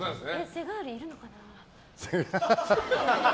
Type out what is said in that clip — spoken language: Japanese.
セガールいるのかな。